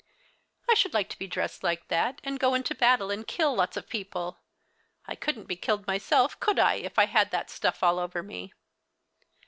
"I should like to be dressed like that, and go into a battle and kill lots of people. I couldn't be killed myself, could I, if I had that stuff all over me?"